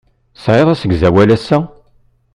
Tesɛiḍ asegzawal ass-a?